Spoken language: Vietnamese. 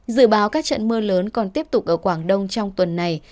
dự báo các trận mưa lớn còn tiếp tục ở quảng đông trong tuần này